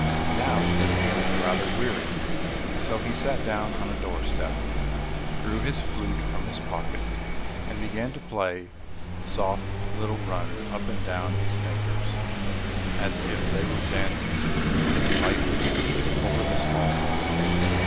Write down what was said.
Now he was feeling rather weary, so he sat down on a doorstep, drew his flute from his pocket, and began to play soft little runs up and down; his fingers, as if they were dancing, moving lightly over the small holes.